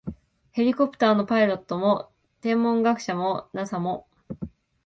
ヘリコプターのパイロットも、天文学者も、ＮＡＳＡ も、